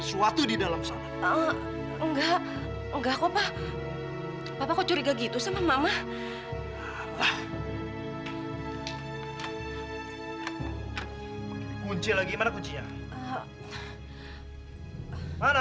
kini enggak mau ngerepotin tante